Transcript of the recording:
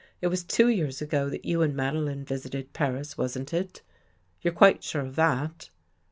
It was two years ago that you and Madeline visited Paris, wasn't it? You're quite sure of that?"